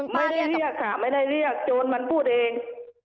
ไม่ได้เรียกค่ะไม่ได้เรียกโจรมันพูดเอง